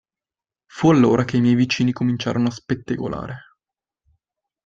Fu allora che i miei vicini cominciarono a spettegolare.